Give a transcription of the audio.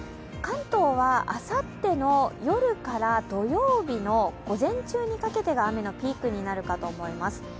関東はあさっての夜から土曜日の午前中にかけてが雨のピークになるかと思います。